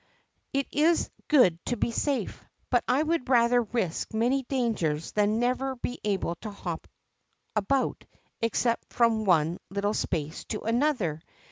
It is good to be safe. Biit I would rather risk many dangers than never be able to hop about except from one little space to another.